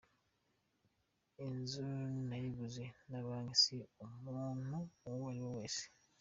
Inzu nayiguze na Banki si umuntu uwo awi we wese’.